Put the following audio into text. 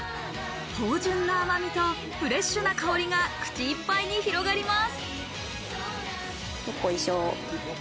芳醇な甘みとフレッシュな香りが口いっぱいに広がります。